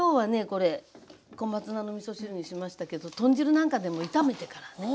これ小松菜のみそ汁にしましたけど豚汁なんかでも炒めてからね。